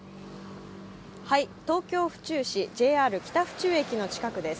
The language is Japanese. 東京・府中市、ＪＲ北府中駅の近くです。